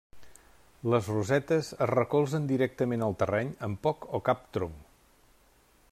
Les rosetes es recolzen directament al terreny amb poc o cap tronc.